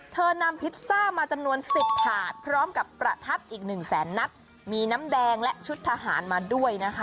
นำพิซซ่ามาจำนวนสิบถาดพร้อมกับประทัดอีกหนึ่งแสนนัดมีน้ำแดงและชุดทหารมาด้วยนะคะ